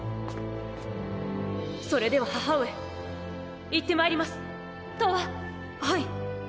それでは母上行ってまいります！とわ。